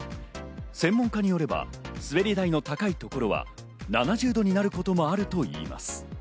専門家によれば、すべり台の高いところは７０度になることもあるといいます。